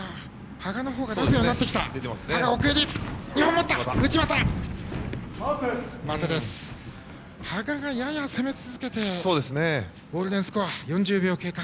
羽賀がやや攻め続けてゴールデンスコア、４０秒経過。